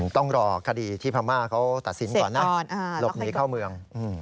ต้องรอคดีที่พม่าเขาตัดสินก่อนนะหลบหนีเข้าเมือง